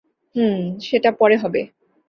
হুম, সেটা পরে হবে।